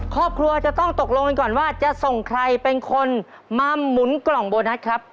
ครอบครัวจะต้องตกลงกันก่อนว่าจะส่งใครเป็นคนมาหมุนกล่องโบนัสครับ